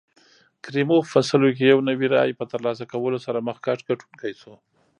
کریموف په سلو کې یو نوي رایې په ترلاسه کولو سره مخکښ ګټونکی شو.